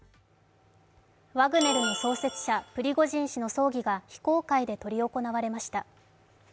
ワグネルの創設者、プリゴジン氏の葬儀が非公開で執り行われました。